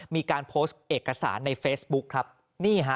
มีการโพสต์เอกสารในเฟซบุ๊คครับนี่ฮะ